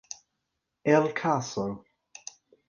El Caso.